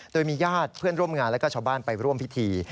โดยมีญาติเพื่อนร่วมงานและก็ชาวบ้านไปร่วมพิธี